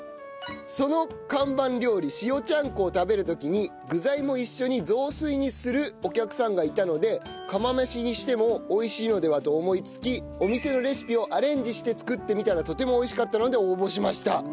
その看板料理塩ちゃんこを食べる時に具材も一緒に雑炊にするお客さんがいたので釜飯にしても美味しいのではと思いつきお店のレシピをアレンジして作ってみたらとても美味しかったので応募しました。